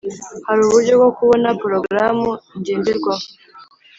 Hari uburyo bwo kubona porogaramu ngenderwaho